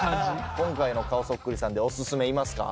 今回の顔そっくりさんでおすすめいますか？